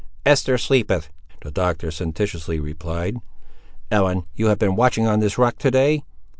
"Esther sleepeth!" the Doctor sententiously replied. "Ellen, you have been watching on this rock, to day?"